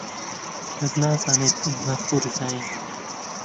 کەس نازانێت ئێمە پوورزاین.